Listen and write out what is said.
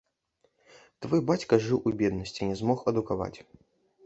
Твой бацька жыў у беднасці, не змог адукаваць.